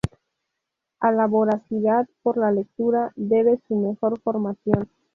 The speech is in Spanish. A la voracidad por la lectura debe su mejor formación.